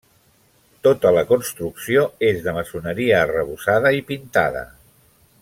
Tota la construcció és de maçoneria arrebossada i pintada.